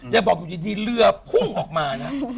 ยังบอกอยู่ดีเรือพุ่งออกมานะ